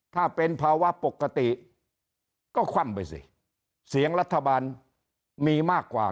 ถ้าเป็นภาวะปกติก็คว่ำไปสิเสียงรัฐบาลมีมากกว่า